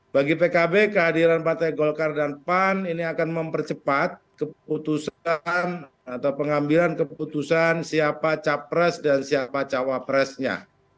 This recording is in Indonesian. bagi pkb kehadiran partai golkar dan pan ini akan mempercepat keputusan atau pengambilan keputusan siapa capres dan siapa cawapresnya